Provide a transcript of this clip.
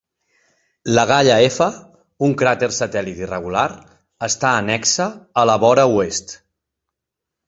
Lagalla F, un cràter satèl·lit irregular, està annexe a la vora oest.